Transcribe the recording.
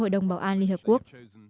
dùng bảo an liên hợp quốc